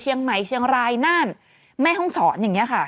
เชียงใหม่เชียงรายน่านแม่ห้องศรอย่างนี้ค่ะ